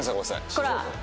こら！